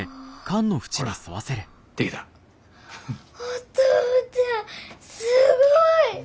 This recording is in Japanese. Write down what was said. お父ちゃんすごい！